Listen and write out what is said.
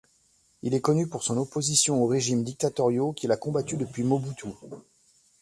Il est connu pour son opposition aux régimes dictatoriaux qu’il a combattu depuis Mobutu.